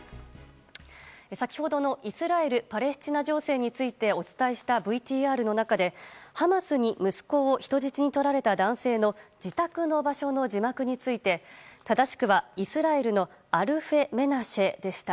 先ほどのイスラエルパレスチナ情勢についてお伝えしたＶＴＲの中でハマスに息子を人質にとられた男性の自宅の場所の字幕について正しくはイスラエルのアルフェメナシェでした。